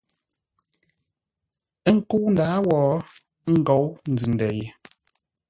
Ə́ nkə́u ndǎa wó, ə́ ngǒu nzʉ-ndə̂ ye.